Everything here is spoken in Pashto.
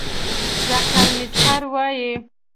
ډاکټر میزهر وايي